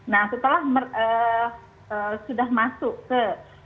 nah setelah sudah masuk ke